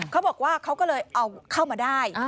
เขาบอกว่าเขาก็เลยเอาเข้ามาได้